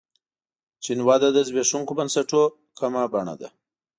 چین وده د زبېښونکو بنسټونو کومه بڼه ده.